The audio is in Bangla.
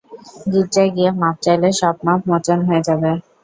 গির্জায় গিয়ে মাফ চাইলে, সব পাপ মোচন হয়ে যাবে।